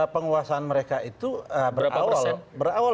penguasaan mereka itu berawal